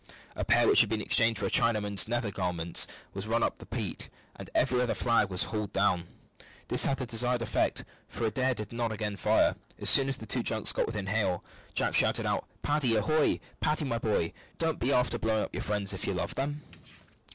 A pair which had been exchanged for a Chinaman's nether garments was run up at the peak, and every other flag was hauled down. This had the desired effect, for Adair did not again fire. As soon as the two junks got within hail, Jack shouted out, "Paddy, ahoy! Paddy, my boy! don't be after blowing up your friends, if you love them."